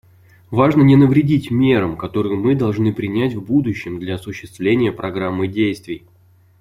Важно не навредить мерам, которые мы должны принять в будущем для осуществления Программы действий.